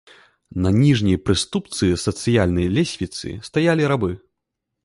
На ніжняй прыступцы сацыяльнай лесвіцы стаялі рабы.